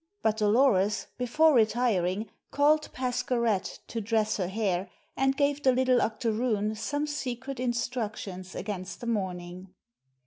But Dolores, before retiring called Pascherette to dress her hair and gave the little octoroon some secret instructions against the morning.